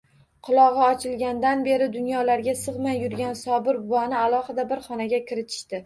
Qulog`i ochilganidan beri dunyolarga sig`may yurgan Sobir buvani alohida bir xonaga kiritishdi